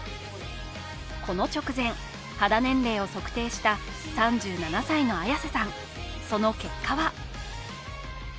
この直前、肌年齢を測定した３７歳の綾瀬さん。